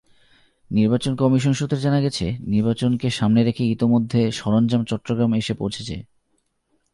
নির্বাচন কমিশন সূত্রে জানা গেছে, নির্বাচনকে সামনে রেখে ইতিমধ্যে সরঞ্জাম চট্টগ্রাম এসে পৌঁছেছে।